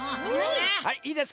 はいいいですか？